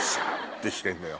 てしてんのよ。